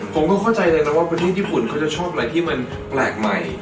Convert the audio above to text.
ผมก็เข้าใจเลยนะว่าประเทศญี่ปุ่นเขาจะชอบอะไรที่มันแปลกใหม่